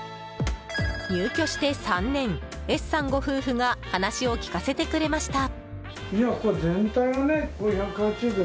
入居して３年、Ｓさんご夫婦が話を聞かせてくれました。